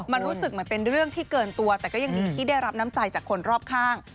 มันรู้สึกเหมือนเป็นเรื่องที่เกินตัวแต่ก็ยังดีที่ได้รับน้ำใจจากคนรอบข้าง